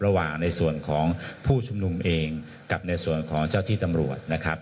ระหว่างในส่วนของผู้ชุมนุมเองกับในส่วนของเจ้าที่ตำรวจนะครับ